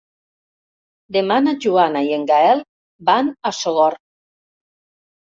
Demà na Joana i en Gaël van a Sogorb.